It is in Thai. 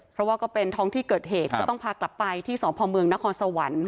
เพราะว่าก็เป็นท้องที่เกิดเหตุก็ต้องพากลับไปที่สพเมืองนครสวรรค์